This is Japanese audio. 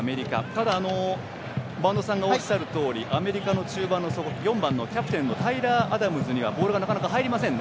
ただ、播戸さんがおっしゃるとおりアメリカの中盤の底４番のタイラー・アダムズにボールがなかなか入りません。